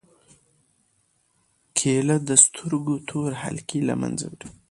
کېله د سترګو تور حلقې له منځه وړي.